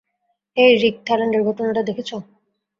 হেই, Rick, থাইল্যান্ডের ঘটনাটা দেখছো?